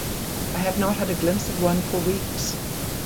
I have not had a glimpse of one for weeks.